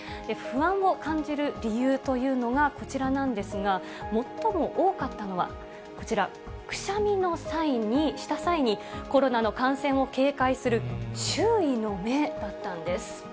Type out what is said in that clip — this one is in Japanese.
不安を感じる理由というのがこちらなんですが、最も多かったのはこちら、くしゃみをした際に、コロナの感染を警戒する周囲の目だったんです。